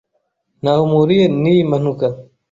Ntaho mpuriye niyi mpanuka.